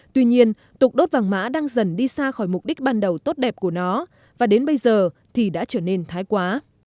tuy nhiên tục đốt vàng mã đang dần đi xa khỏi mục đích ban đầu tốt đẹp của nó và đến bây giờ thì đã trở nên thái quá